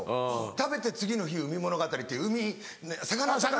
食べて次の日海物語って海魚とかが。